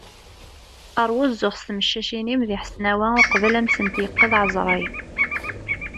Rwu zzux s tmeccacin-im di Ḥesnawa uqbel ad am-tent-yeqqed ɛeẓrayen.